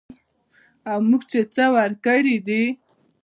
او موږ چې څه ورکړي دي